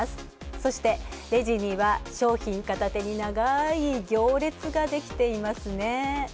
そして、レジには商品を片手に長い行列ができていますね。